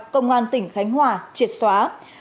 công an tỉnh khánh hòa triệt xóa